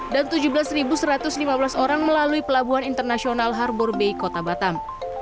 dan tujuh belas satu ratus lima belas orang melalui pelabuhan internasional harbor bay kota batam